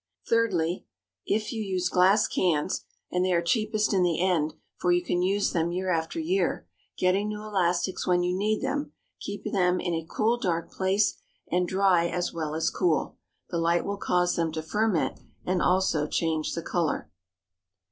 Thirdly, if you use glass cans (and they are cheapest in the end, for you can use them year after year, getting new elastics when you need them) keep them in a cool, dark place, and dry as well as cool. The light will cause them to ferment, and also change the color.